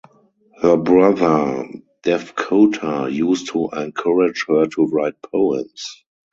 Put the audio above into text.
Her brother Devkota used to encourage her to write poems.